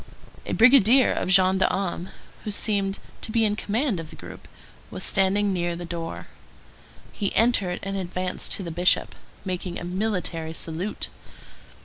A brigadier of gendarmes, who seemed to be in command of the group, was standing near the door. He entered and advanced to the Bishop, making a military salute.